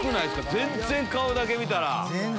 全然顔だけ見たら。